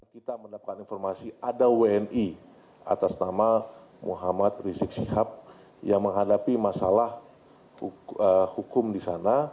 kita mendapatkan informasi ada wni atas nama muhammad rizik syihab yang menghadapi masalah hukum di sana